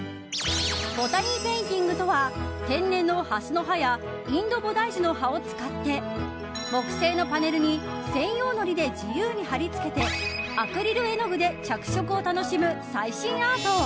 ボタニーペインティングとは天然のハスの葉やインドボダイジュの葉を使って木製のパネルに専用のりで自由に貼り付けてアクリル絵の具で着色を楽しむ最新アート。